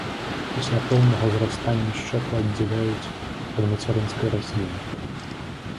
Пасля поўнага зрастання шчэпу аддзяляюць ад мацярынскай расліны.